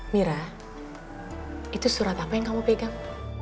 mira itu surat apa yang kamu pegang